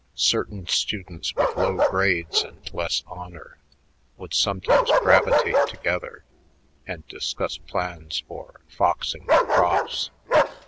Certain students with low grades and less honor would somehow gravitate together and discuss plans for "foxing the profs."